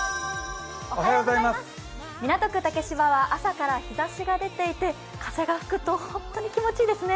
港区竹芝は朝から日ざしが出ていて、風が吹くと、ホントに気持ちいいですね。